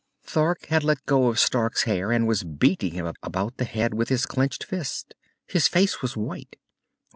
Thord had let go of Stark's hair and was beating him about the head with his clenched fist. His face was white.